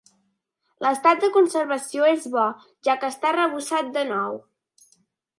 L'estat de conservació és bo, ja que està arrebossat de nou.